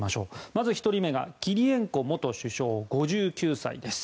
まず１人目がキリエンコ元首相５９歳です。